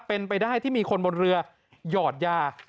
เป็นไปได้ที่มีคนบนเรือหยอดยา